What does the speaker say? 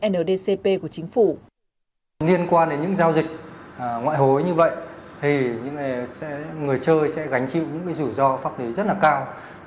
liên quan đến những giao dịch ngoại hối như vậy thì những người chơi sẽ gánh chịu những rủi ro pháp lý rất là cao